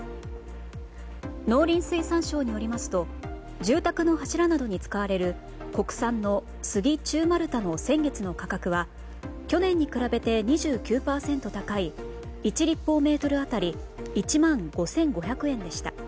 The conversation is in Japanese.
農林水産省によりますと住宅の柱などに使われる国産のスギ中丸太の先月の価格は去年に比べて２９％高い１立方メートル当たり１万５５００円でした。